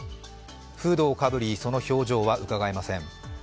フードをかぶりその表情はうかがえません。